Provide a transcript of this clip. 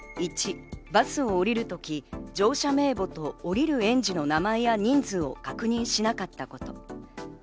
１、バスを降りるとき、乗車名簿と降りる園児の名前や人数を確認しなかったこと。